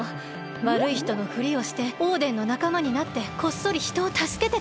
わるいひとのふりをしてオーデンのなかまになってこっそりひとをたすけてた。